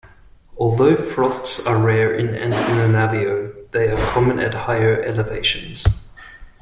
Although frosts are rare in Antananarivo, they are common at higher elevations.